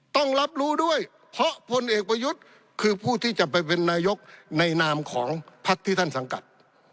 ต้องรับรู้ด้วยเพราะพลเอกประยุทธ์คือผู้ที่จะไปเป็นนายกในนามของพักที่ท่านสังกัด